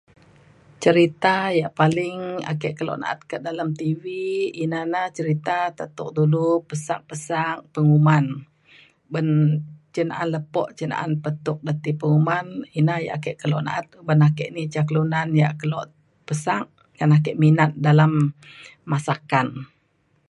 cerita yak paling ake keluk naat ke' dalem tv ina na cerita tetuk ulu, pesak pesak penguman ban cenaan lepo' cenaan pe tuk leti penguman ina yak ake kelok naat oban aki ni ca kelunan yak keluk pesak ngan aki minat dalam masakan.